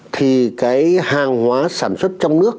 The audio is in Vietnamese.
thì cái hàng hóa sản xuất trong nước